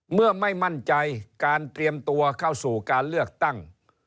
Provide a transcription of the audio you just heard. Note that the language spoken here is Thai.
เมื่อไม่มั่นใจการเตรียมตัวเข้าสู่การเลือกตั้ง